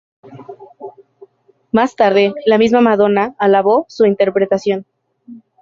Más tarde, la misma Madonna alabó su interpretación.